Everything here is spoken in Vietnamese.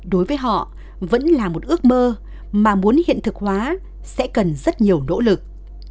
đối với họ vẫn là một ước mơ mà muốn hiện thực hóa sẽ cần rất nhiều nỗ lực